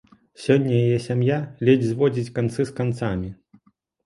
Сёння яе сям'я ледзь зводзіць канцы з канцамі.